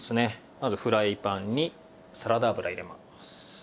まずフライパンにサラダ油入れます。